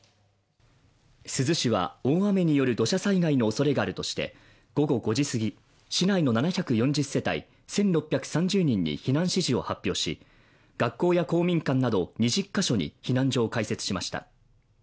珠洲市は大雨による土砂災害のおそれがあるとして午後５時過ぎ、市内の７４０世帯１６３０人に避難指示を発表し、学校や公民館など２０か所に避難所を開設しました。